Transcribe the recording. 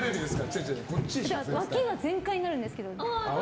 脇が全開になるんですけど。